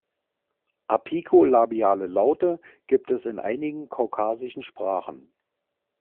Apiko-labiale Laute gibt es in einigen kaukasischen Sprachen.